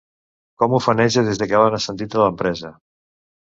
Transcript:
Com ufaneja des que l'han ascendit a l'empresa!